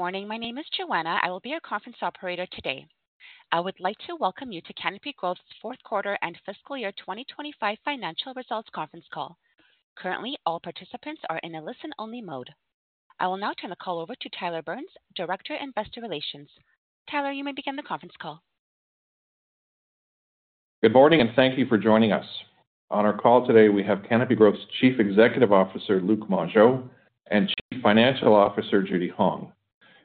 Good morning. My name is Joanna. I will be your conference operator today. I would like to welcome you to Canopy Growth's fourth quarter and fiscal year 2025 financial results conference call. Currently, all participants are in a listen-only mode. I will now turn the call over to Tyler Burns, Director of Investor Relations. Tyler, you may begin the conference call. Good morning, and thank you for joining us. On our call today, we have Canopy Growth's Chief Executive Officer, Luc Mongeau, and Chief Financial Officer, Judy Hong.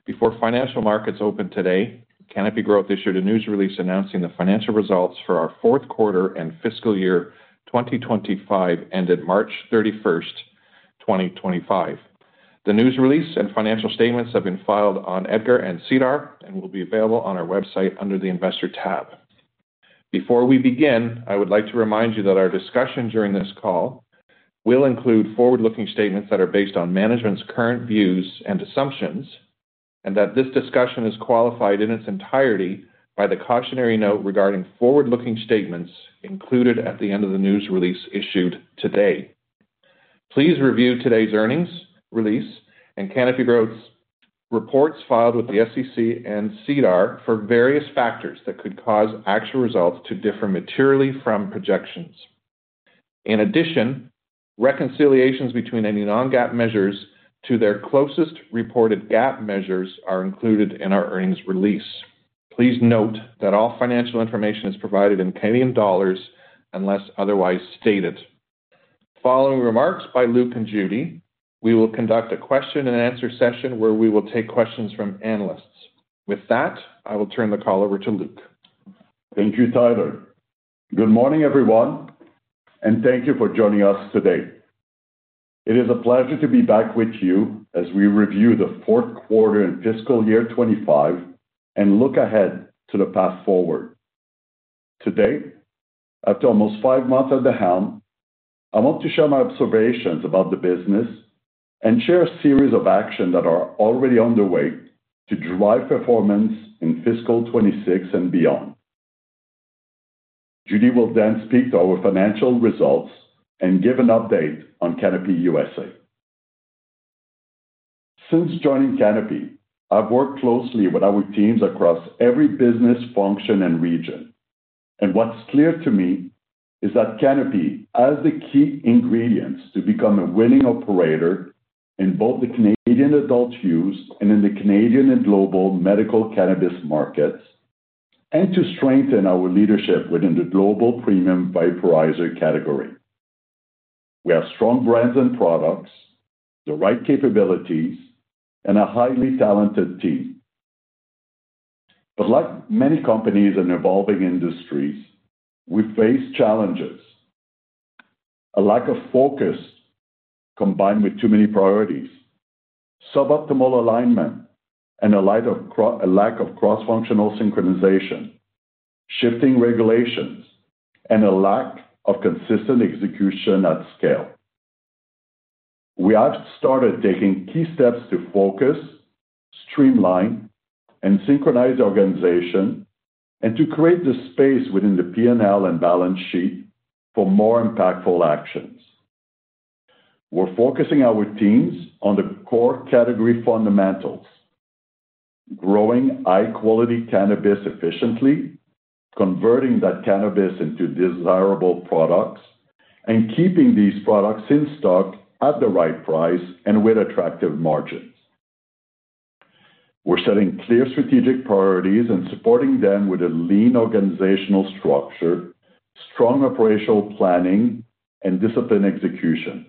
Before financial markets open today, Canopy Growth issued a news release announcing the financial results for our fourth quarter and fiscal year 2025 ended March 31, 2025. The news release and financial statements have been filed on EDGAR and SEDAR and will be available on our website under the Investor tab. Before we begin, I would like to remind you that our discussion during this call will include forward-looking statements that are based on management's current views and assumptions, and that this discussion is qualified in its entirety by the cautionary note regarding forward-looking statements included at the end of the news release issued today. Please review today's earnings release and Canopy Growth's reports filed with the SEC and SEDAR for various factors that could cause actual results to differ materially from projections. In addition, reconciliations between any non-GAAP measures to their closest reported GAAP measures are included in our earnings release. Please note that all financial information is provided in CAD unless otherwise stated. Following remarks by Luc and Judy, we will conduct a question-and-answer session where we will take questions from analysts. With that, I will turn the call over to Luc. Thank you, Tyler. Good morning, everyone, and thank you for joining us today. It is a pleasure to be back with you as we review the fourth quarter and fiscal year 2025 and look ahead to the path forward. Today, after almost five months at the helm, I want to share my observations about the business and share a series of actions that are already underway to drive performance in fiscal 2026 and beyond. Judy will then speak to our financial results and give an update on Canopy USA. Since joining Canopy, I've worked closely with our teams across every business function and region, and what's clear to me is that Canopy has the key ingredients to become a winning operator in both the Canadian adult use and in the Canadian and global medical cannabis markets, and to strengthen our leadership within the global premium vaporizer category. We have strong brands and products, the right capabilities, and a highly talented team. Like many companies in evolving industries, we face challenges: a lack of focus combined with too many priorities, suboptimal alignment, a lack of cross-functional synchronization, shifting regulations, and a lack of consistent execution at scale. We have started taking key steps to focus, streamline, and synchronize our organization and to create the space within the P&L and balance sheet for more impactful actions. We're focusing our teams on the core category fundamentals: growing high-quality cannabis efficiently, converting that cannabis into desirable products, and keeping these products in stock at the right price and with attractive margins. We're setting clear strategic priorities and supporting them with a lean organizational structure, strong operational planning, and disciplined execution.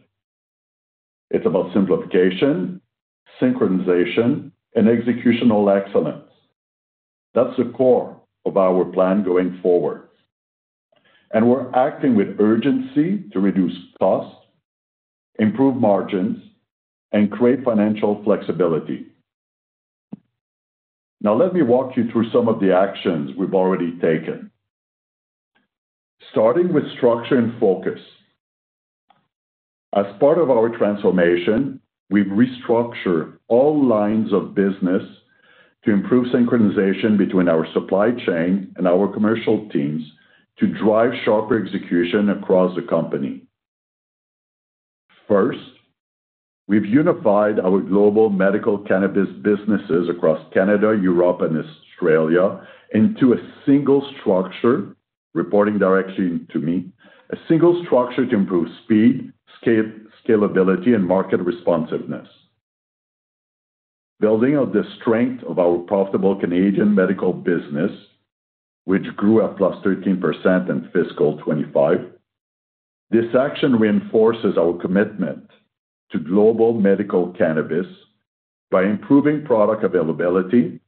It's about simplification, synchronization, and executional excellence. That's the core of our plan going forward. We are acting with urgency to reduce cost, improve margins, and create financial flexibility. Now, let me walk you through some of the actions we have already taken, starting with structure and focus. As part of our transformation, we have restructured all lines of business to improve synchronization between our supply chain and our commercial teams to drive sharper execution across the company. First, we have unified our global medical cannabis businesses across Canada, Europe, and Australia into a single structure, reporting directly to me, a single structure to improve speed, scalability, and market responsiveness, building on the strength of our profitable Canadian medical business, which grew at +13% in fiscal 2025. This action reinforces our commitment to global medical cannabis by improving product availability,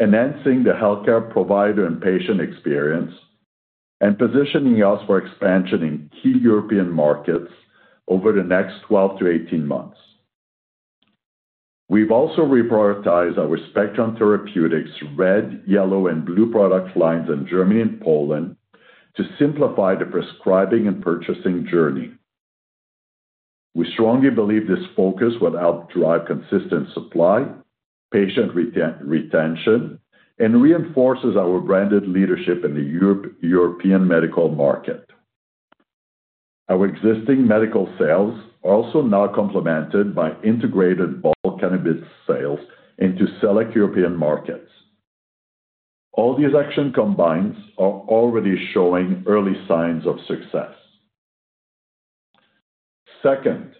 enhancing the healthcare provider and patient experience, and positioning us for expansion in key European markets over the next 12-18 months. We've also reprioritized our Spectrum Therapeutics red, yellow, and blue product lines in Germany and Poland to simplify the prescribing and purchasing journey. We strongly believe this focus will help drive consistent supply, patient retention, and reinforces our branded leadership in the European medical market. Our existing medical sales are also now complemented by integrated bulk cannabis sales into select European markets. All these actions combined are already showing early signs of success. Second,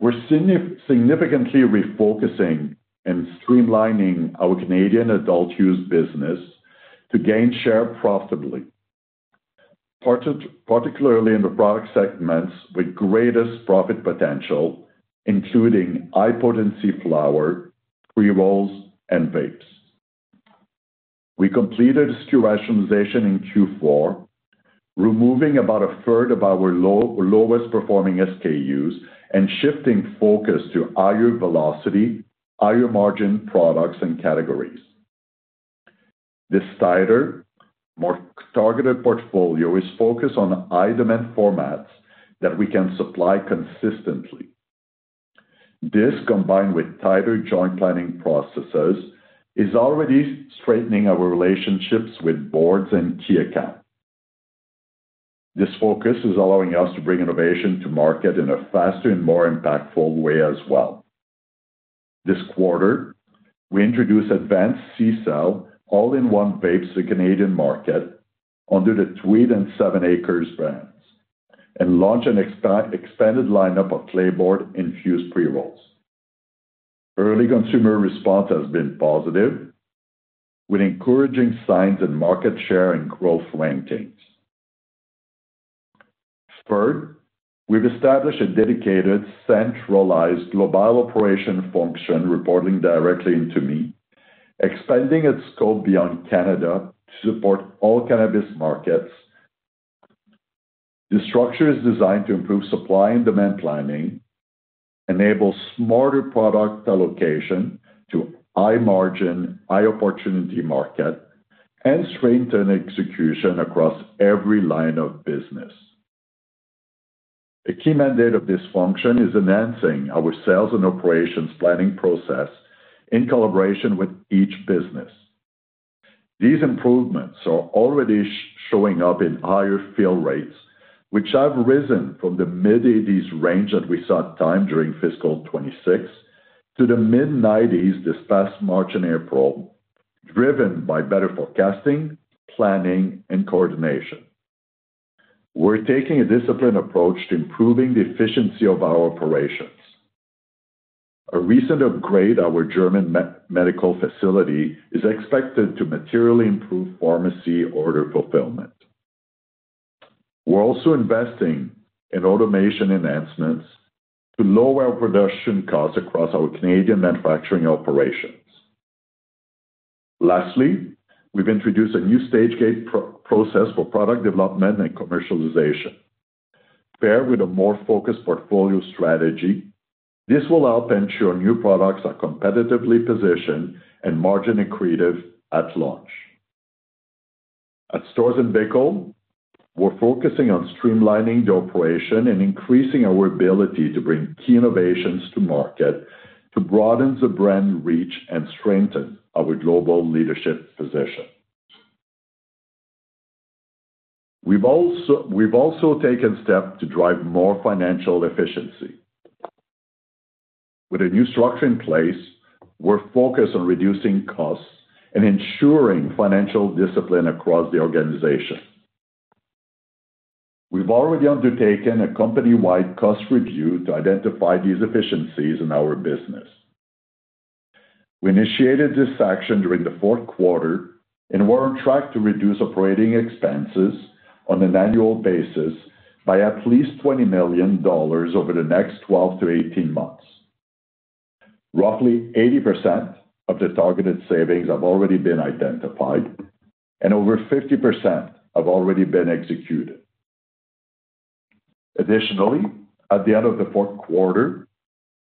we're significantly refocusing and streamlining our Canadian adult use business to gain share profitably, particularly in the product segments with greatest profit potential, including high-potency flower, pre-rolls, and vapes. We completed SKU rationalization in Q4, removing about a third of our lowest-performing SKUs and shifting focus to higher velocity, higher margin products and categories. This tighter, more targeted portfolio is focused on high-demand formats that we can supply consistently. This, combined with tighter joint planning processes, is already strengthening our relationships with boards and key accounts. This focus is allowing us to bring innovation to market in a faster and more impactful way as well. This quarter, we introduced advanced CSAIL all-in-one vapes in the Canadian market under the Tweed and 7ACRES brands and launched an expanded lineup of Clayborn-infused pre-rolls. Early consumer response has been positive, with encouraging signs in market share and growth rankings. Third, we've established a dedicated centralized global operation function reporting directly to me, expanding its scope beyond Canada to support all cannabis markets. The structure is designed to improve supply and demand planning, enable smarter product allocation to high-margin, high-opportunity markets, and strengthen execution across every line of business. A key mandate of this function is enhancing our sales and operations planning process in collaboration with each business. These improvements are already showing up in higher fill rates, which have risen from the mid-80% range that we saw at the time during fiscal 2026 to the mid-90% this past March and April, driven by better forecasting, planning, and coordination. We're taking a disciplined approach to improving the efficiency of our operations. A recent upgrade to our German medical facility is expected to materially improve pharmacy order fulfillment. We're also investing in automation enhancements to lower our production costs across our Canadian manufacturing operations. Lastly, we've introduced a new stage gate process for product development and commercialization, paired with a more focused portfolio strategy. This will help ensure new products are competitively positioned and margin-inclusive at launch. At Storz & Bickel, we're focusing on streamlining the operation and increasing our ability to bring key innovations to market to broaden the brand reach and strengthen our global leadership position. We've also taken steps to drive more financial efficiency. With a new structure in place, we're focused on reducing costs and ensuring financial discipline across the organization. We've already undertaken a company-wide cost review to identify these efficiencies in our business. We initiated this action during the fourth quarter and were on track to reduce operating expenses on an annual basis by at least $20 million over the next 12-18 months. Roughly 80% of the targeted savings have already been identified, and over 50% have already been executed. Additionally, at the end of the fourth quarter,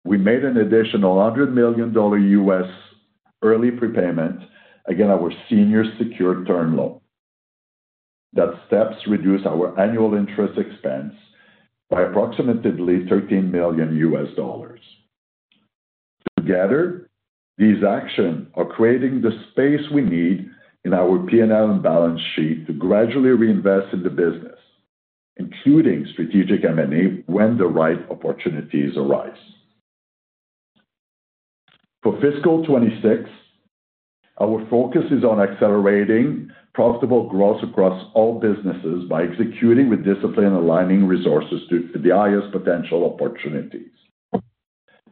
we made an additional $100 million U.S. early prepayment against our senior secured term loan. That step reduces our annual interest expense by approximately $13 million. Together, these actions are creating the space we need in our P&L and balance sheet to gradually reinvest in the business, including strategic M&A when the right opportunities arise. For fiscal 2026, our focus is on accelerating profitable growth across all businesses by executing with discipline and aligning resources to the highest potential opportunities.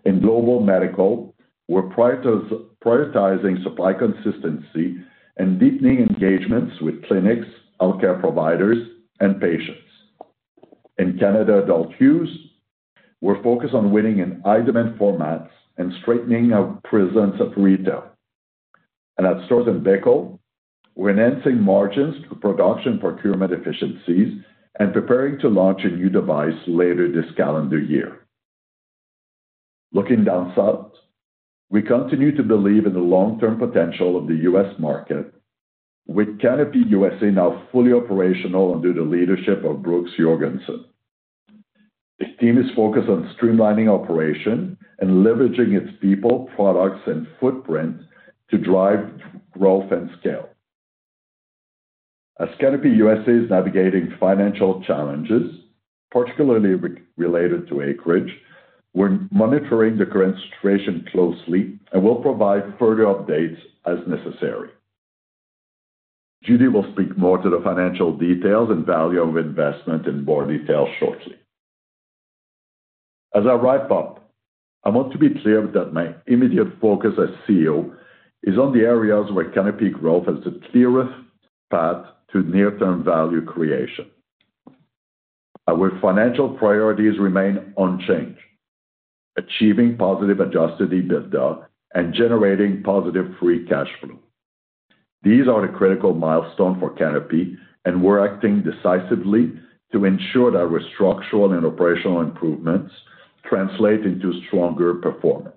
In global medical, we're prioritizing supply consistency and deepening engagements with clinics, healthcare providers, and patients. In Canada adult use, we're focused on winning in high-demand formats and strengthening our presence at retail. At Storz & Bickel, we're enhancing margins through production procurement efficiencies and preparing to launch a new device later this calendar year. Looking down south, we continue to believe in the long-term potential of the U.S. market, with Canopy USA now fully operational under the leadership of Bruce Jorgensen. His team is focused on streamlining operations and leveraging its people, products, and footprint to drive growth and scale. As Canopy USA is navigating financial challenges, particularly related to Acreage, we're monitoring the current situation closely and will provide further updates as necessary. Judy will speak more to the financial details and value of investment in more detail shortly. As I wrap up, I want to be clear that my immediate focus as CEO is on the areas where Canopy Growth has the clearest path to near-term value creation. Our financial priorities remain unchanged, achieving positive adjusted EBITDA and generating positive free cash flow. These are the critical milestones for Canopy, and we're acting decisively to ensure that our structural and operational improvements translate into stronger performance.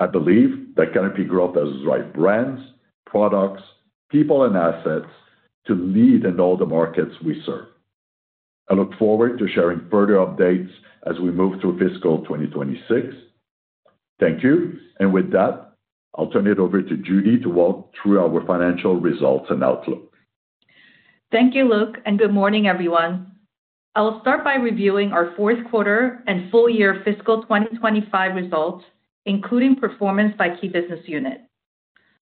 I believe that Canopy Growth has the right brands, products, people, and assets to lead in all the markets we serve. I look forward to sharing further updates as we move through fiscal 2026. Thank you. With that, I'll turn it over to Judy to walk through our financial results and outlook. Thank you, Luc, and good morning, everyone. I'll start by reviewing our fourth quarter and full year fiscal 2025 results, including performance by key business unit.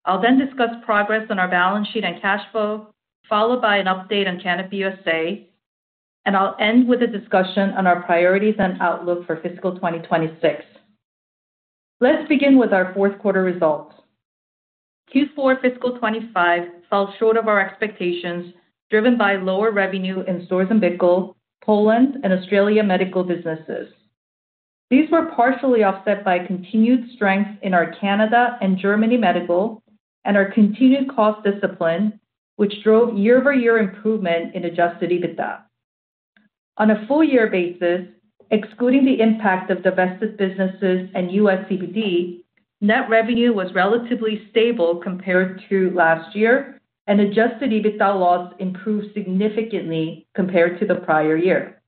I'll then discuss progress on our balance sheet and cash flow, followed by an update on Canopy USA, and I'll end with a discussion on our priorities and outlook for fiscal 2026. Let's begin with our fourth quarter results. Q4 fiscal 2025 fell short of our expectations, driven by lower revenue in Storz & Bickel, Poland, and Australia medical businesses. These were partially offset by continued strength in our Canada and Germany medical and our continued cost discipline, which drove year-over-year improvement in adjusted EBITDA. On a full year basis, excluding the impact of divested businesses and U.S. CBD, net revenue was relatively stable compared to last year, and adjusted EBITDA loss improved significantly compared to the prior year.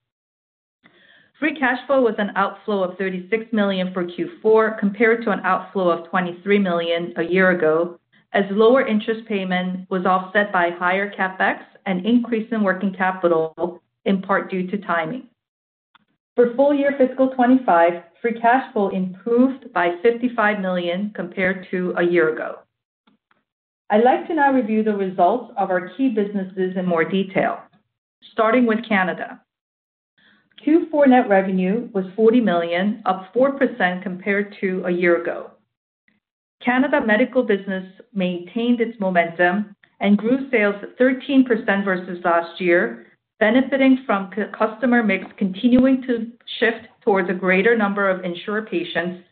Free cash flow was an outflow of 36 million for Q4 compared to an outflow of 23 million a year ago, as lower interest payment was offset by higher CapEx and increase in working capital, in part due to timing. For full year fiscal 2025, free cash flow improved by 55 million compared to a year ago. I'd like to now review the results of our key businesses in more detail, starting with Canada. Q4 net revenue was 40 million, up 4% compared to a year ago. Canada medical business maintained its momentum and grew sales at 13% versus last year, benefiting from customer mix continuing to shift towards a greater number of insured patients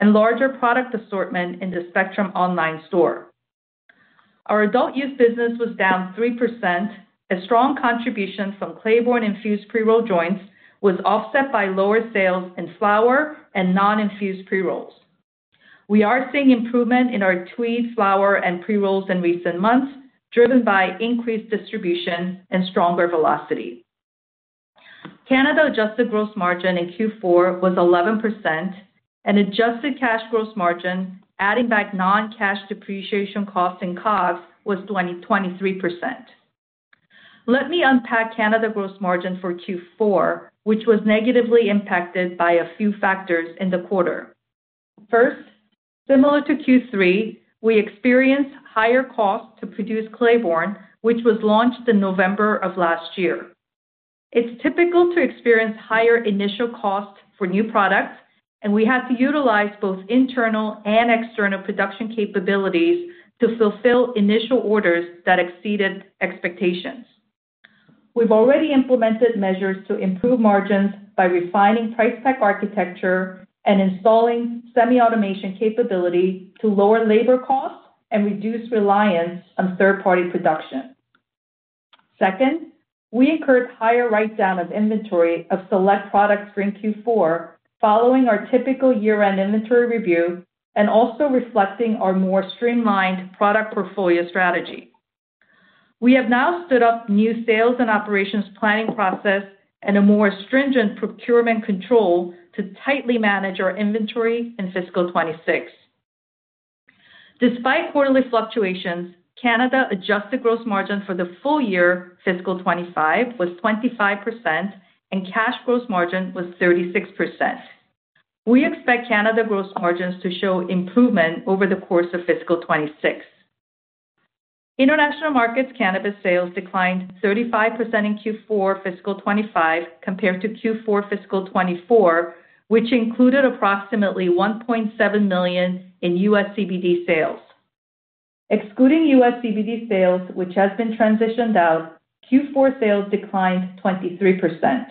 and larger product assortment in the Spectrum online store. Our adult use business was down 3%. A strong contribution from Clayborn-infused pre-roll joints was offset by lower sales in flower and non-infused pre-rolls. We are seeing improvement in our Tweed, flower, and pre-rolls in recent months, driven by increased distribution and stronger velocity. Canada adjusted gross margin in Q4 was 11%, and adjusted cash gross margin, adding back non-cash depreciation costs and COGS, was 23%. Let me unpack Canada gross margin for Q4, which was negatively impacted by a few factors in the quarter. First, similar to Q3, we experienced higher costs to produce Clayborn, which was launched in November of last year. It's typical to experience higher initial costs for new products, and we had to utilize both internal and external production capabilities to fulfill initial orders that exceeded expectations. We've already implemented measures to improve margins by refining price pack architecture and installing semi-automation capability to lower labor costs and reduce reliance on third-party production. Second, we incurred higher write-down of inventory of select products during Q4, following our typical year-end inventory review and also reflecting our more streamlined product portfolio strategy. We have now stood up new sales and operations planning process and a more stringent procurement control to tightly manage our inventory in fiscal 2026. Despite quarterly fluctuations, Canada adjusted gross margin for the full year fiscal 2025 was 25%, and cash gross margin was 36%. We expect Canada gross margins to show improvement over the course of fiscal 2026. International markets' cannabis sales declined 35% in Q4 fiscal 2025 compared to Q4 fiscal 2024, which included approximately $1.7 million in U.S. CBD sales. Excluding U.S. CBD sales, which has been transitioned out, Q4 sales declined 23%.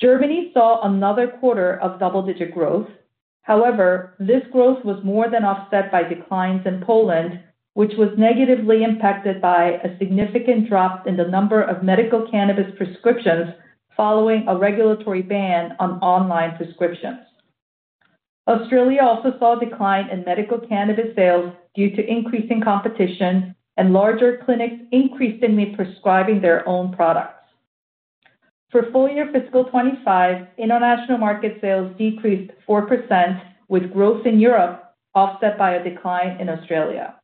Germany saw another quarter of double-digit growth. However, this growth was more than offset by declines in Poland, which was negatively impacted by a significant drop in the number of medical cannabis prescriptions following a regulatory ban on online prescriptions. Australia also saw a decline in medical cannabis sales due to increasing competition and larger clinics increasingly prescribing their own products. For full year fiscal 2025, international market sales decreased 4%, with growth in Europe offset by a decline in Australia.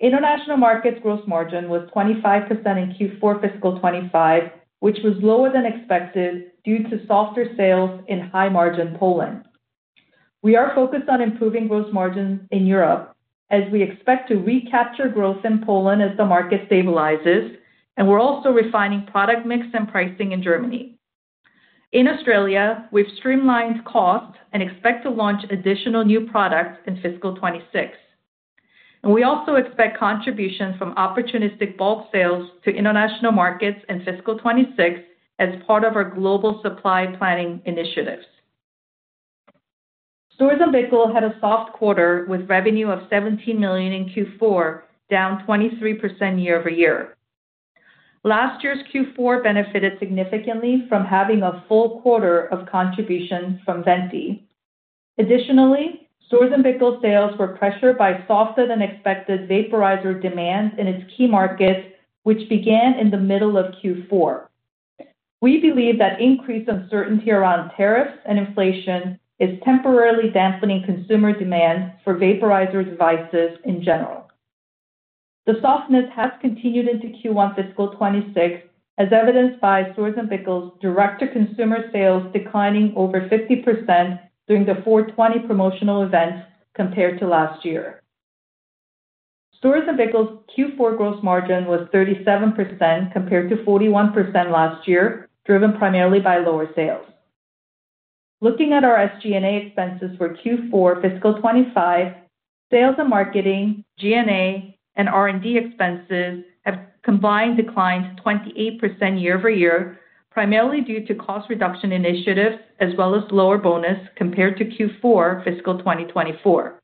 International markets' gross margin was 25% in Q4 fiscal 2025, which was lower than expected due to softer sales in high-margin Poland. We are focused on improving gross margins in Europe as we expect to recapture growth in Poland as the market stabilizes, and we are also refining product mix and pricing in Germany. In Australia, we have streamlined costs and expect to launch additional new products in fiscal 2026. We also expect contributions from opportunistic bulk sales to international markets in fiscal 2026 as part of our global supply planning initiatives. Storz & Bickel had a soft quarter with revenue of CAD 17 million in Q4, down 23% year-over-year. Last year's Q4 benefited significantly from having a full quarter of contribution from Venti. Additionally, Storz & Bickel's sales were pressured by softer-than-expected vaporizer demand in its key markets, which began in the middle of Q4. We believe that increased uncertainty around tariffs and inflation is temporarily dampening consumer demand for vaporizer devices in general. The softness has continued into Q1 fiscal 2026, as evidenced by Storz & Bickel's direct-to-consumer sales declining over 50% during the 4/20 promotional event compared to last year. Storz & Bickel's Q4 gross margin was 37% compared to 41% last year, driven primarily by lower sales. Looking at our SG&A expenses for Q4 fiscal 2025, sales and marketing, G&A, and R&D expenses have combined declined 28% year-over-year, primarily due to cost reduction initiatives as well as lower bonus compared to Q4 fiscal 2024.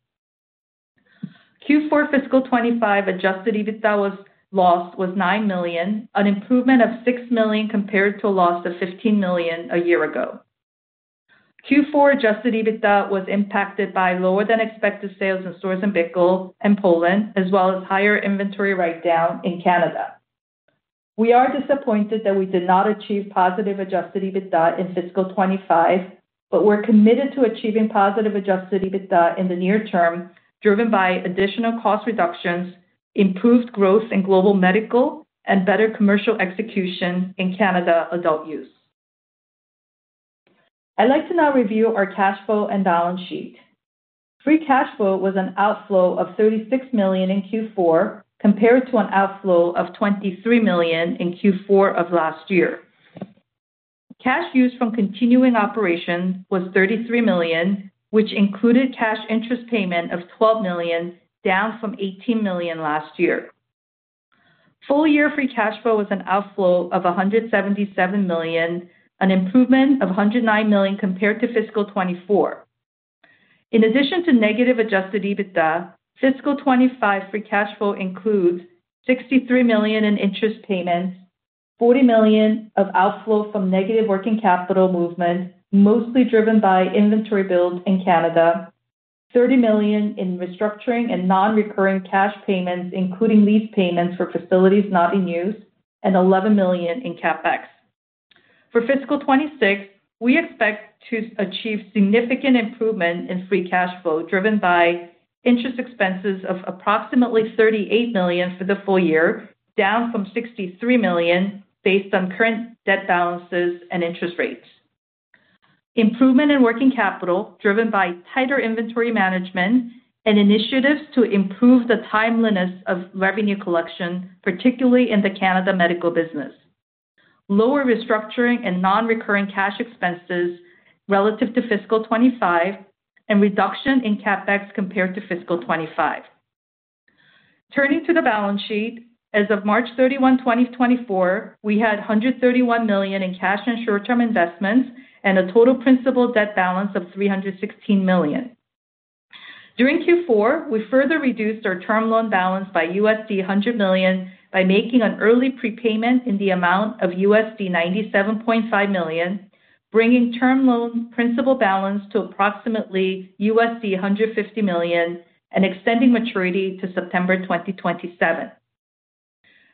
Q4 fiscal 2025 adjusted EBITDA loss was 9 million, an improvement of 6 million compared to a loss of 15 million a year ago. Q4 adjusted EBITDA was impacted by lower-than-expected sales in Storz & Bickel and Poland, as well as higher inventory write-down in Canada. We are disappointed that we did not achieve positive adjusted EBITDA in fiscal 2025, but we're committed to achieving positive adjusted EBITDA in the near term, driven by additional cost reductions, improved growth in global medical, and better commercial execution in Canada adult use. I'd like to now review our cash flow and balance sheet. Free cash flow was an outflow of 36 million in Q4 compared to an outflow of 23 million in Q4 of last year. Cash used from continuing operations was 33 million, which included cash interest payment of 12 million, down from 18 million last year. Full year free cash flow was an outflow of 177 million, an improvement of 109 million compared to fiscal 2024. In addition to negative adjusted EBITDA, fiscal 2025 free cash flow includes 63 million in interest payments, 40 million of outflow from negative working capital movement, mostly driven by inventory build in Canada, 30 million in restructuring and non-recurring cash payments, including lease payments for facilities not in use, and 11 million in CapEx. For fiscal 2026, we expect to achieve significant improvement in free cash flow, driven by interest expenses of approximately 38 million for the full year, down from 63 million based on current debt balances and interest rates. Improvement in working capital, driven by tighter inventory management and initiatives to improve the timeliness of revenue collection, particularly in the Canada medical business. Lower restructuring and non-recurring cash expenses relative to fiscal 2025 and reduction in CapEx compared to fiscal 2025. Turning to the balance sheet, as of March 31, 2024, we had 131 million in cash and short-term investments and a total principal debt balance of 316 million. During Q4, we further reduced our term loan balance by $100 million by making an early prepayment in the amount of $97.5 million, bringing term loan principal balance to approximately $150 million and extending maturity to September 2027.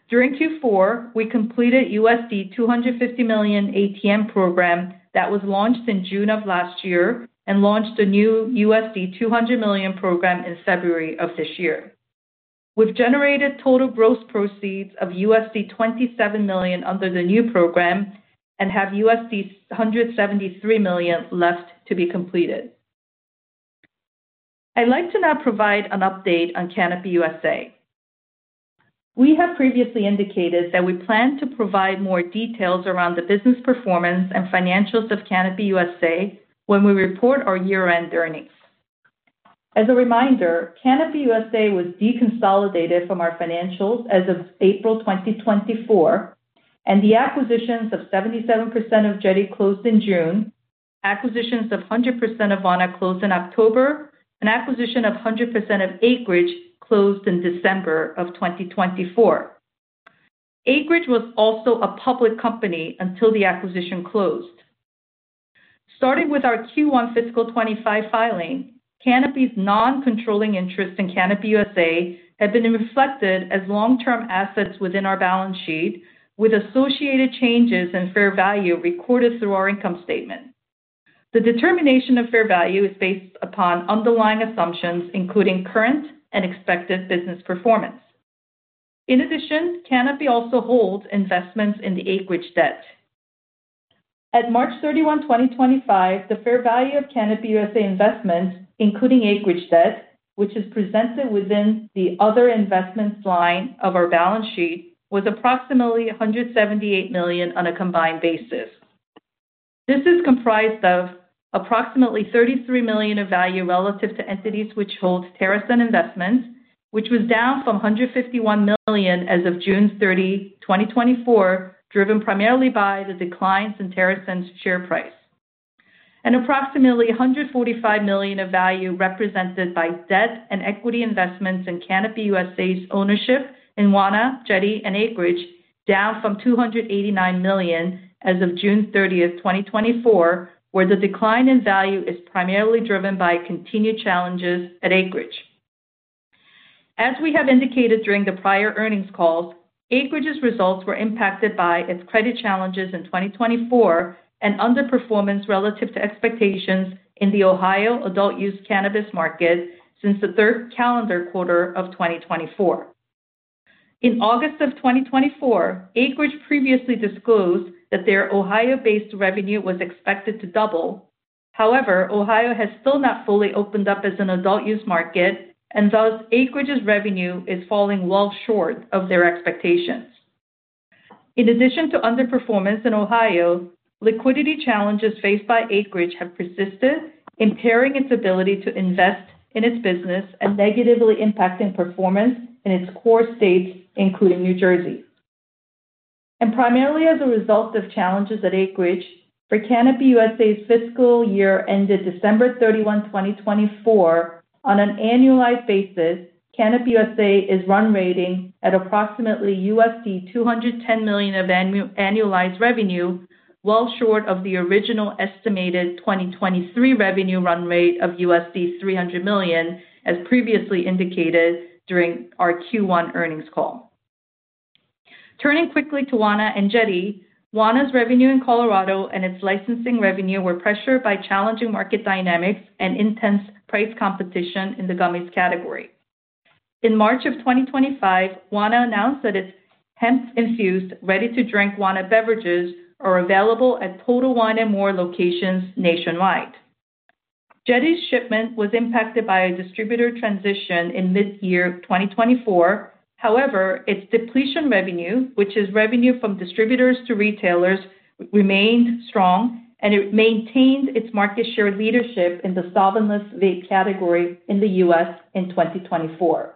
During Q4, we completed the $250 million ATM program that was launched in June of last year and launched a new $200 million program in February of this year. We've generated total gross proceeds of $27 million under the new program and have $173 million left to be completed. I'd like to now provide an update on Canopy USA. We have previously indicated that we plan to provide more details around the business performance and financials of Canopy USA when we report our year-end earnings. As a reminder, Canopy USA was deconsolidated from our financials as of April 2024, and the acquisitions of 77% of Jetty closed in June, acquisitions of 100% of Wana closed in October, and acquisition of 100% of Acreage closed in December of 2024. Acreage was also a public company until the acquisition closed. Starting with our Q1 fiscal 2025 filing, Canopy's non-controlling interest in Canopy USA had been reflected as long-term assets within our balance sheet, with associated changes in fair value recorded through our income statement. The determination of fair value is based upon underlying assumptions, including current and expected business performance. In addition, Canopy also holds investments in the Acreage debt. At March 31, 2025, the fair value of Canopy USA investments, including Acreage debt, which is presented within the other investments line of our balance sheet, was approximately CAD 178 million on a combined basis. This is comprised of approximately CAD 33 million of value relative to entities which hold TerraSun investments, which was down from CAD 151 million as of June 30, 2024, driven primarily by the declines in TerraSun's share price. Approximately 145 million of value is represented by debt and equity investments in Canopy USA's ownership in Wana, Jetty, and Acreage, down from 289 million as of June 30, 2024, where the decline in value is primarily driven by continued challenges at Acreage. As we have indicated during the prior earnings calls, Acreage's results were impacted by its credit challenges in 2024 and underperformance relative to expectations in the Ohio adult use cannabis market since the third calendar quarter of 2024. In August of 2024, Acreage previously disclosed that their Ohio-based revenue was expected to double. However, Ohio has still not fully opened up as an adult use market, and thus Acreage's revenue is falling well short of their expectations. In addition to underperformance in Ohio, liquidity challenges faced by Acreage have persisted, impairing its ability to invest in its business and negatively impacting performance in its core states, including New Jersey. Primarily as a result of challenges at Acreage, for Canopy USA's fiscal year ended December 31, 2024, on an annualized basis, Canopy USA is run rating at approximately $210 million of annualized revenue, well short of the original estimated 2023 revenue run rate of $300 million, as previously indicated during our Q1 earnings call. Turning quickly to Wana and Jetty, Wana's revenue in Colorado and its licensing revenue were pressured by challenging market dynamics and intense price competition in the gummies category. In March of 2025, Wana announced that its hemp-infused ready-to-drink Wana beverages are available at Total Wana and more locations nationwide. Jetty's shipment was impacted by a distributor transition in mid-year 2024. However, its depletion revenue, which is revenue from distributors to retailers, remained strong, and it maintained its market share leadership in the solventless vape category in the U.S. in 2024.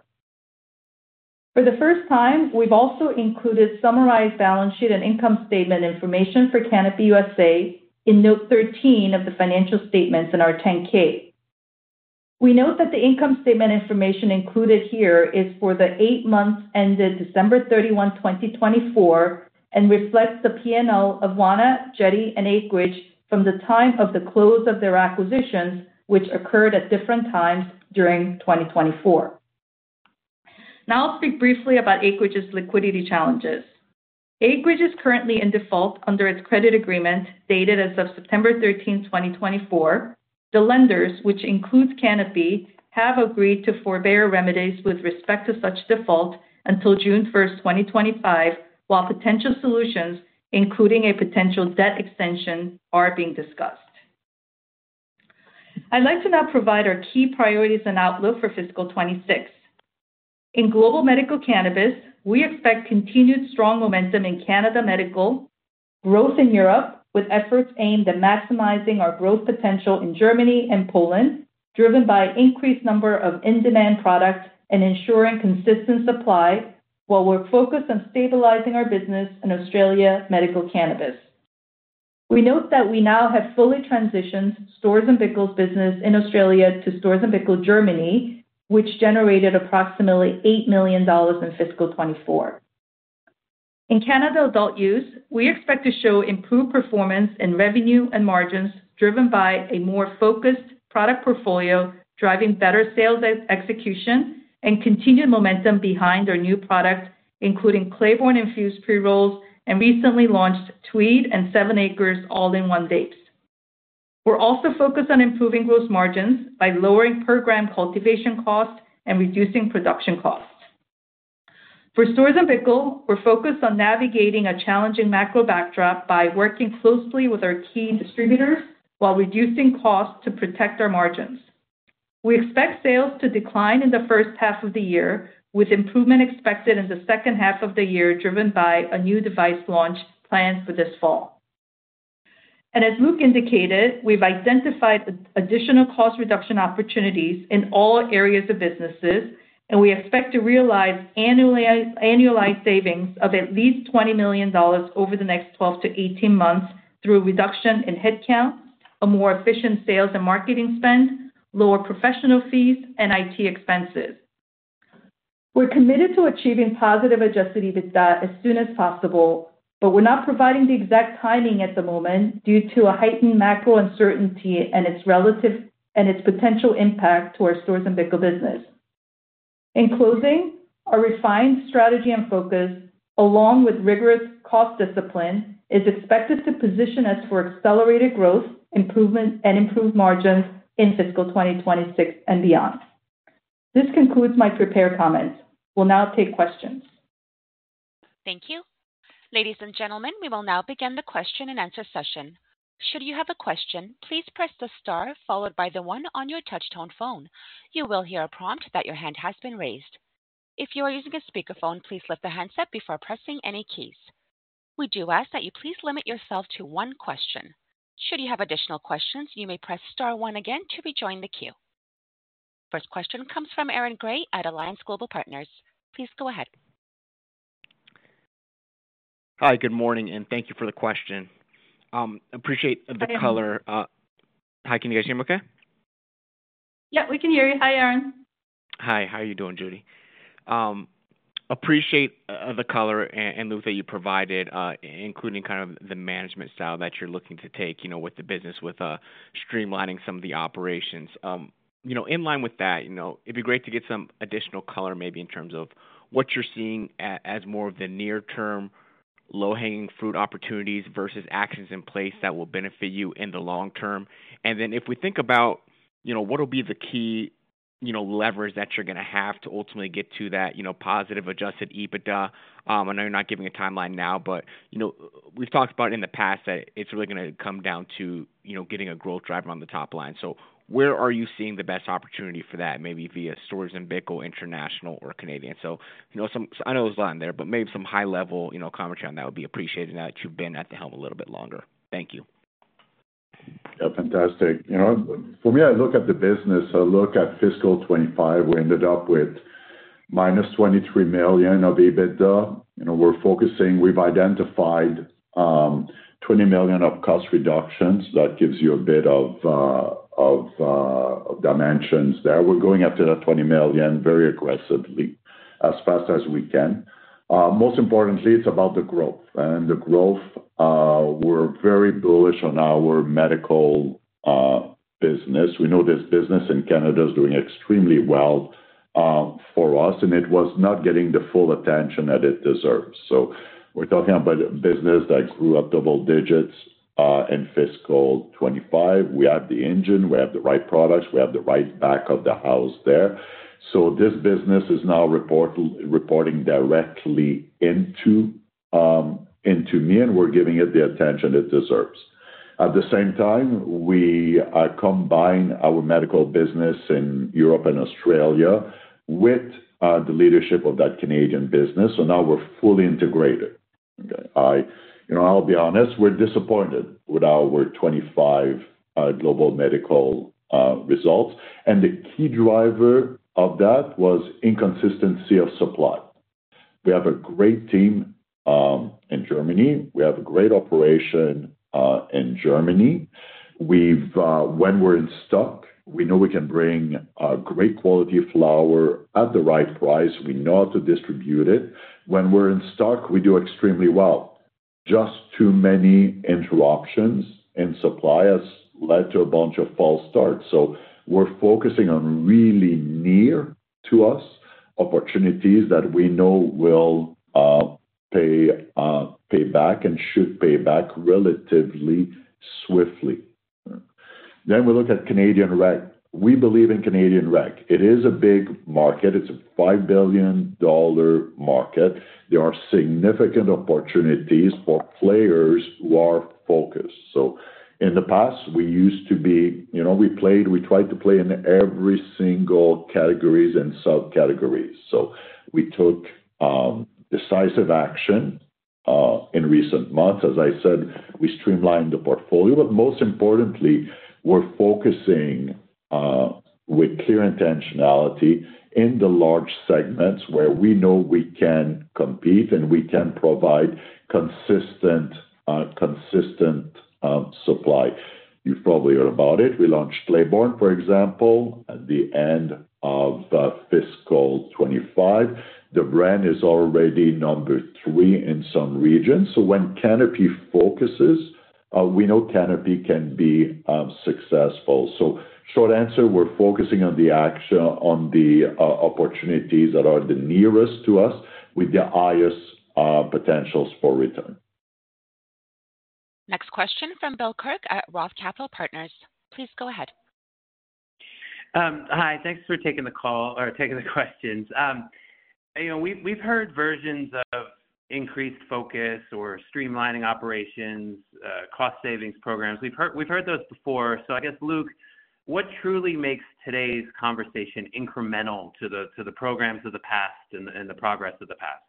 For the first time, we've also included summarized balance sheet and income statement information for Canopy USA in note 13 of the financial statements in our 10-K. We note that the income statement information included here is for the eight months ended December 31, 2024, and reflects the P&L of Wana, Jetty, and Acreage from the time of the close of their acquisitions, which occurred at different times during 2024. Now I'll speak briefly about Acreage's liquidity challenges. Acreage is currently in default under its credit agreement dated as of September 13, 2024. The lenders, which includes Canopy, have agreed to forbear remedies with respect to such default until June 1, 2025, while potential solutions, including a potential debt extension, are being discussed. I'd like to now provide our key priorities and outlook for fiscal 2026. In global medical cannabis, we expect continued strong momentum in Canada medical, growth in Europe with efforts aimed at maximizing our growth potential in Germany and Poland, driven by an increased number of in-demand products and ensuring consistent supply, while we're focused on stabilizing our business in Australia medical cannabis. We note that we now have fully transitioned Storz & Bickel's business in Australia to Storz & Bickel Germany, which generated approximately 8 million dollars in fiscal 2024. In Canada adult use, we expect to show improved performance in revenue and margins, driven by a more focused product portfolio, driving better sales execution and continued momentum behind our new product, including Clayborn-infused pre-rolls and recently launched Tweed and 7ACRES all-in-one vapes. We're also focused on improving gross margins by lowering per gram cultivation cost and reducing production costs. For Storz & Bickel, we're focused on navigating a challenging macro backdrop by working closely with our key distributors while reducing costs to protect our margins. We expect sales to decline in the first half of the year, with improvement expected in the second half of the year, driven by a new device launch planned for this fall. As Luc indicated, we've identified additional cost reduction opportunities in all areas of business, and we expect to realize annualized savings of at least 20 million dollars over the next 12-18 months through reduction in headcount, a more efficient sales and marketing spend, lower professional fees, and IT expenses. We're committed to achieving positive adjusted EBITDA as soon as possible, but we're not providing the exact timing at the moment due to heightened macro uncertainty and its potential impact to our Storz & Bickel business. In closing, our refined strategy and focus, along with rigorous cost discipline, is expected to position us for accelerated growth, improvement, and improved margins in fiscal 2026 and beyond. This concludes my prepared comments. We'll now take questions. Thank you. Ladies and gentlemen, we will now begin the question and answer session. Should you have a question, please press the star followed by the one on your touchtone phone. You will hear a prompt that your hand has been raised. If you are using a speakerphone, please lift the handset before pressing any keys. We do ask that you please limit yourself to one question. Should you have additional questions, you may press star one again to rejoin the queue. First question comes from Aaron Grey at Alliance Global Partners. Please go ahead. Hi, good morning, and thank you for the question. I appreciate the color. Hi, can you guys hear me okay? Yeah, we can hear you. Hi, Aaron. Hi, how are you doing, Judy? Appreciate the color and Luc that you provided, including kind of the management style that you're looking to take with the business, with streamlining some of the operations. In line with that, it'd be great to get some additional color maybe in terms of what you're seeing as more of the near-term low-hanging fruit opportunities versus actions in place that will benefit you in the long term. If we think about what will be the key levers that you're going to have to ultimately get to that positive adjusted EBITDA, I know you're not giving a timeline now, but we've talked about in the past that it's really going to come down to getting a growth driver on the top line. Where are you seeing the best opportunity for that, maybe via Storz & Bickel International or Canadian? I know there is a lot in there, but maybe some high-level commentary on that would be appreciated now that you have been at the helm a little bit longer. Thank you. Yeah, fantastic. For me, I look at the business. I look at fiscal 2025. We ended up with - 23 million of EBITDA. We are focusing. We have identified 20 million of cost reductions. That gives you a bit of dimensions there. We are going after that 20 million very aggressively as fast as we can. Most importantly, it is about the growth. The growth, we are very bullish on our medical business. We know this business in Canada is doing extremely well for us, and it was not getting the full attention that it deserves. We're talking about a business that grew up double digits in fiscal 2025. We have the engine. We have the right products. We have the right back of the house there. This business is now reporting directly into me, and we're giving it the attention it deserves. At the same time, we combine our medical business in Europe and Australia with the leadership of that Canadian business. Now we're fully integrated. I'll be honest, we're disappointed with our 2025 global medical results. The key driver of that was inconsistency of supply. We have a great team in Germany. We have a great operation in Germany. When we're in stock, we know we can bring great quality flower at the right price. We know how to distribute it. When we're in stock, we do extremely well. Just too many interruptions in supply has led to a bunch of false starts. We are focusing on really near-to-us opportunities that we know will pay back and should pay back relatively swiftly. We look at Canadian rec. We believe in Canadian rec. It is a big market. It is a 5 billion dollar market. There are significant opportunities for players who are focused. In the past, we used to be, we played, we tried to play in every single category and subcategory. We took decisive action in recent months. As I said, we streamlined the portfolio. Most importantly, we are focusing with clear intentionality in the large segments where we know we can compete and we can provide consistent supply. You have probably heard about it. We launched Clayborn, for example, at the end of fiscal 2025. The brand is already number three in some regions. When Canopy focuses, we know Canopy can be successful. Short answer, we're focusing on the opportunities that are the nearest to us with the highest potentials for return. Next question from Bill Kirk at Roth Capital Partners. Please go ahead. Hi. Thanks for taking the call or taking the questions. We've heard versions of increased focus or streamlining operations, cost savings programs. We've heard those before. I guess, Luc, what truly makes today's conversation incremental to the programs of the past and the progress of the past?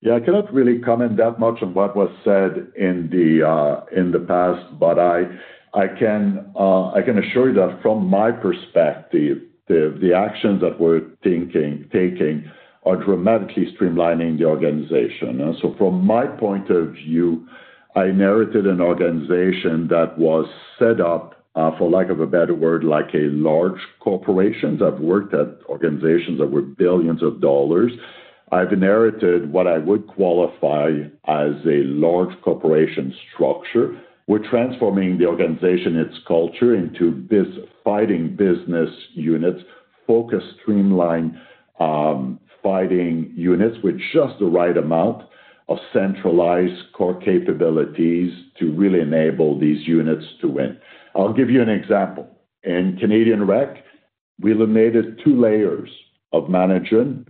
Yeah, I cannot really comment that much on what was said in the past, but I can assure you that from my perspective, the actions that we're taking are dramatically streamlining the organization. From my point of view, I inherited an organization that was set up, for lack of a better word, like a large corporation. I've worked at organizations that were billions of dollars. I've inherited what I would qualify as a large corporation structure. We're transforming the organization, its culture, into fighting business units, focused, streamlined fighting units with just the right amount of centralized core capabilities to really enable these units to win. I'll give you an example. In Canadian rec, we eliminated two layers of management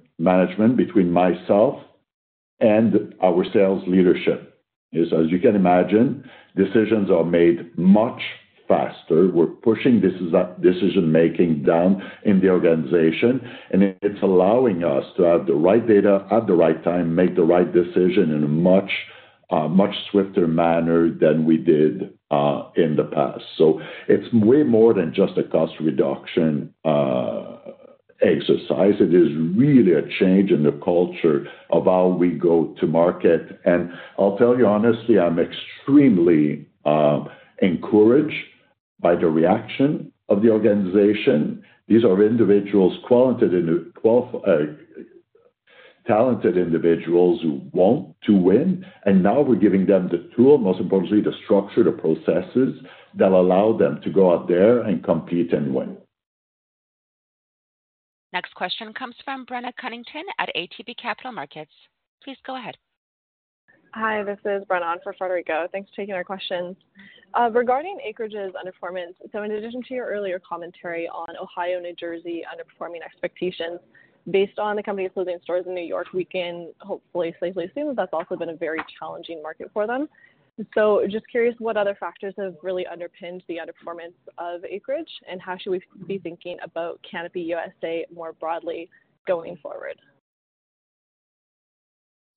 between myself and our sales leadership. As you can imagine, decisions are made much faster. We're pushing decision-making down in the organization, and it's allowing us to have the right data at the right time, make the right decision in a much swifter manner than we did in the past. It is way more than just a cost reduction exercise. It is really a change in the culture of how we go to market. I'll tell you honestly, I'm extremely encouraged by the reaction of the organization. These are individuals, talented individuals who want to win. Now we're giving them the tool, most importantly, the structure, the processes that allow them to go out there and compete and win. Next question comes from Brenna Cunnington at ATB Capital Markets. Please go ahead. Hi, this is Brenna for Frederico. Thanks for taking our questions. Regarding Acreage's underperformance, in addition to your earlier commentary on Ohio, New Jersey underperforming expectations, based on the company's closing stores in New York, we can hopefully safely assume that that's also been a very challenging market for them. Just curious what other factors have really underpinned the underperformance of Acreage, and how should we be thinking about Canopy USA more broadly going forward?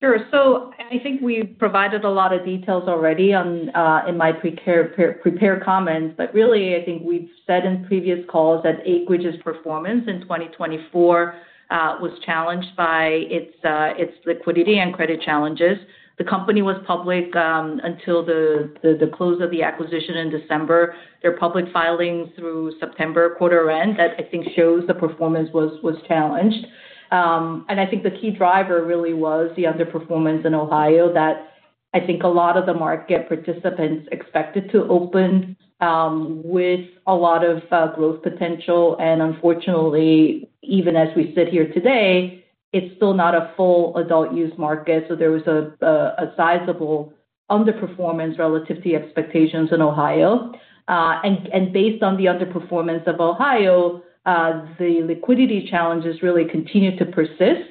Sure. I think we've provided a lot of details already in my prepared comments, but really, I think we've said in previous calls that Acreage's performance in 2024 was challenged by its liquidity and credit challenges. The company was public until the close of the acquisition in December. Their public filings through September quarter end, I think, show the performance was challenged. I think the key driver really was the underperformance in Ohio that I think a lot of the market participants expected to open with a lot of growth potential. Unfortunately, even as we sit here today, it's still not a full adult use market. There was a sizable underperformance relative to expectations in Ohio. Based on the underperformance of Ohio, the liquidity challenges really continued to persist,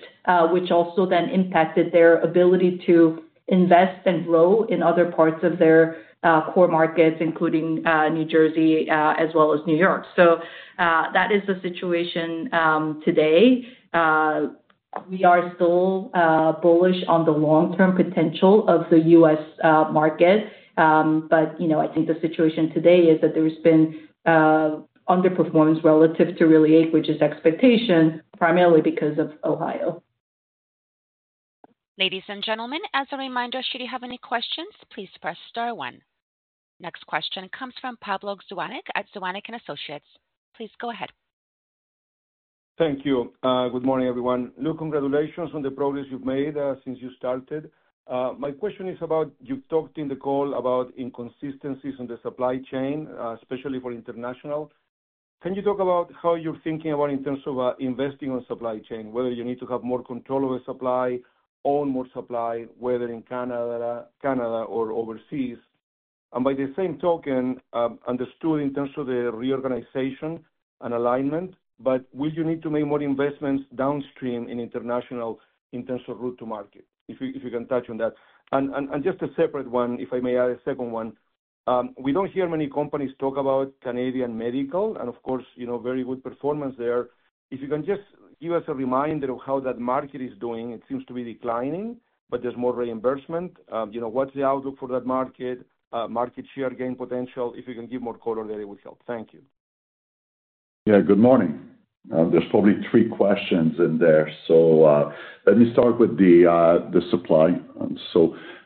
which also then impacted their ability to invest and grow in other parts of their core markets, including New Jersey as well as New York. That is the situation today. We are still bullish on the long-term potential of the U.S. market, but I think the situation today is that there has been underperformance relative to really Acreage's expectation, primarily because of Ohio. Ladies and gentlemen, as a reminder, should you have any questions, please press star one. Next question comes from Pablo Zuanic at Zuanic & Associates. Please go ahead. Thank you. Good morning, everyone. Luc, congratulations on the progress you have made since you started. My question is about you talked in the call about inconsistencies in the supply chain, especially for international. Can you talk about how you're thinking about in terms of investing on supply chain, whether you need to have more control over supply, own more supply, whether in Canada or overseas? By the same token, understood in terms of the reorganization and alignment, but will you need to make more investments downstream in international in terms of route to market, if you can touch on that? Just a separate one, if I may add a second one. We don't hear many companies talk about Canadian medical, and of course, very good performance there. If you can just give us a reminder of how that market is doing. It seems to be declining, but there's more reimbursement. What's the outlook for that market? Market share gain potential? If you can give more color there, it would help. Thank you. Yeah, good morning. There's probably three questions in there. Let me start with the supply.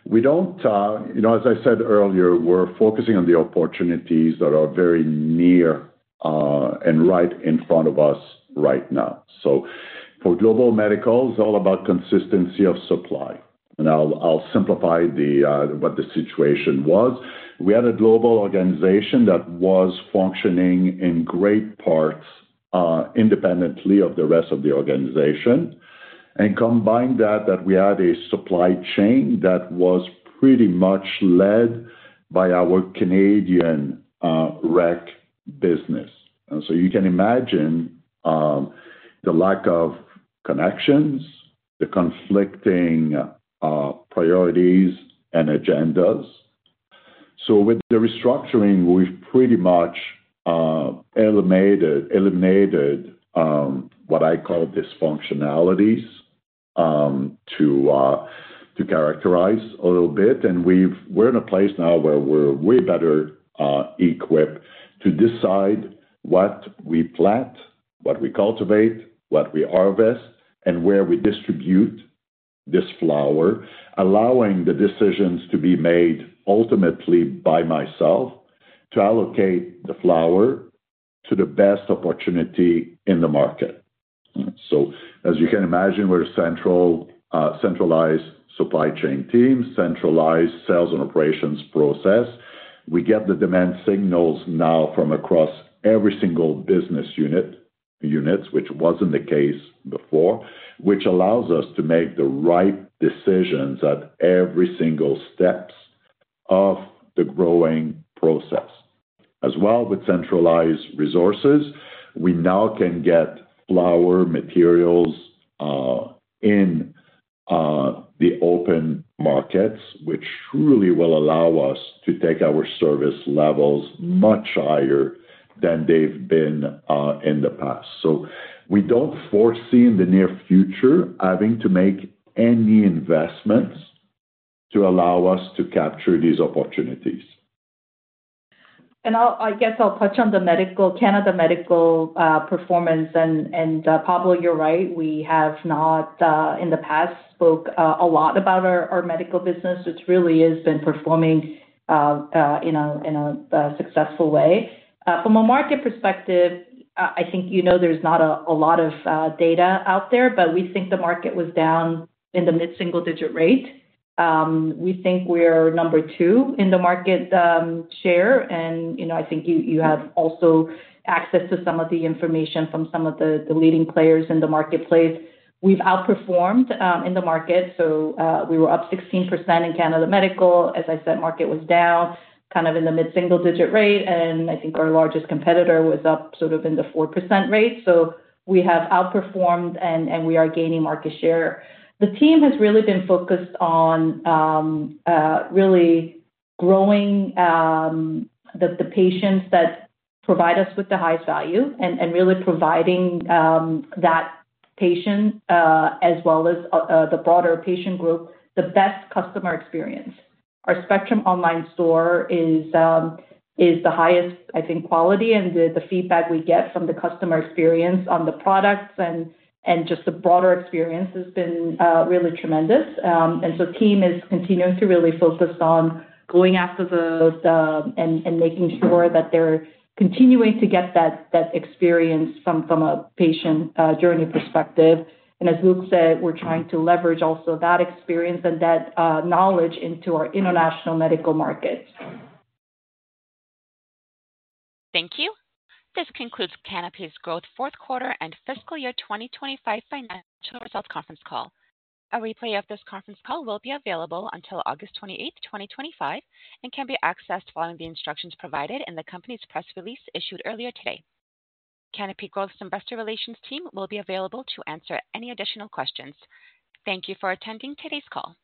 We do not, as I said earlier, focus on the opportunities that are very near and right in front of us right now. For global medical, it is all about consistency of supply. I will simplify what the situation was. We had a global organization that was functioning in great parts independently of the rest of the organization. Combined with that, we had a supply chain that was pretty much led by our Canadian rec business. You can imagine the lack of connections, the conflicting priorities and agendas. With the restructuring, we have pretty much eliminated what I call dysfunctionalities to characterize a little bit. We're in a place now where we're way better equipped to decide what we plant, what we cultivate, what we harvest, and where we distribute this flower, allowing the decisions to be made ultimately by myself to allocate the flower to the best opportunity in the market. As you can imagine, we're a centralized supply chain team, centralized sales and operations process. We get the demand signals now from across every single business unit, which was not the case before, which allows us to make the right decisions at every single step of the growing process. As well, with centralized resources, we now can get flower materials in the open markets, which truly will allow us to take our service levels much higher than they've been in the past. We do not foresee in the near future having to make any investments to allow us to capture these opportunities. I guess I'll touch on the medical, Canada medical performance. Pablo, you're right. We have not, in the past, spoke a lot about our medical business. It really has been performing in a successful way. From a market perspective, I think there's not a lot of data out there, but we think the market was down in the mid-single-digit rate. We think we're number two in the market share. I think you have also access to some of the information from some of the leading players in the marketplace. We've outperformed in the market. We were up 16% in Canada medical. As I said, market was down kind of in the mid-single-digit rate. I think our largest competitor was up sort of in the 4% rate. We have outperformed and we are gaining market share. The team has really been focused on really growing the patients that provide us with the highest value and really providing that patient as well as the broader patient group the best customer experience. Our Spectrum online store is the highest, I think, quality. The feedback we get from the customer experience on the products and just the broader experience has been really tremendous. The team is continuing to really focus on going after the and making sure that they're continuing to get that experience from a patient journey perspective. As Luc said, we're trying to leverage also that experience and that knowledge into our international medical markets. Thank you. This concludes Canopy Growth's fourth quarter and fiscal year 2025 financial results conference call. A replay of this conference call will be available until August 28, 2025, and can be accessed following the instructions provided in the company's press release issued earlier today. Canopy Growth's investor relations team will be available to answer any additional questions. Thank you for attending today's call.